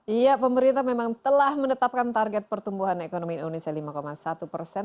iya pemerintah memang telah menetapkan target pertumbuhan ekonomi indonesia lima satu persen